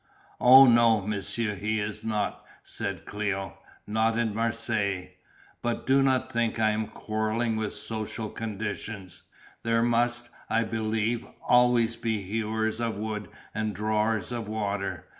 "Oh, no, monsieur, he is not," said Cléo, "not in Marseilles. But do not think I am quarrelling with social conditions. There must, I believe, always be hewers of wood and drawers of water.